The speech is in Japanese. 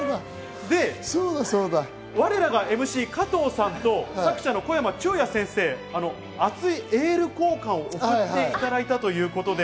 で、われらがＭＣ加藤さんと作者の小山宙哉先生、熱いエール交換を送っていただいたということで。